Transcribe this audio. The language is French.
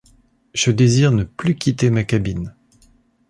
Je désire ne plus quitter ma cabine...